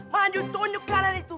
maju tonjuk kanan itu